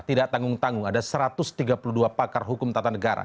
tidak tanggung tanggung ada satu ratus tiga puluh dua pakar hukum tata negara